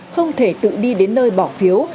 không thể tự đi đến nơi bỏ phiếu